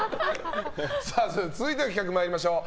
続いての企画参りましょう。